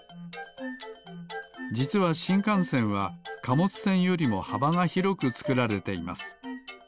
じつはしんかんせんはかもつせんよりもはばがひろくつくられています。